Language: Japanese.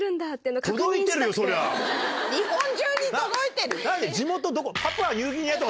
日本中に届いてるよ。